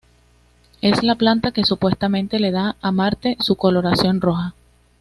Es la planta que supuestamente le da a Marte su coloración roja.